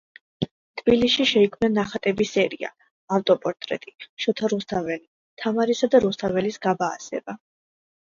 თბილისში შეიქმნა ნახატების სერია: „ავტოპორტრეტი“, „შოთა რუსთაველი“, „თამარისა და რუსთაველის გაბაასება“.